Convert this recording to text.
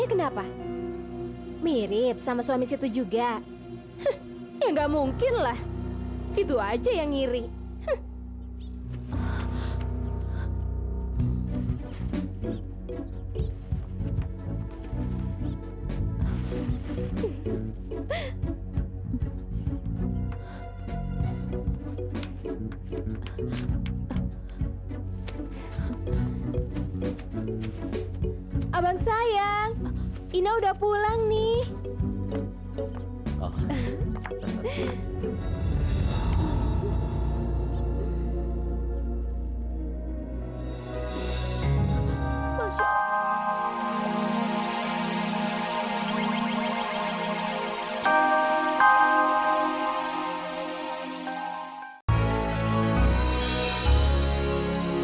sampai jumpa di video selanjutnya